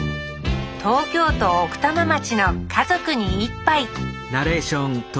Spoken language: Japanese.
東京都奥多摩町の「家族に一杯」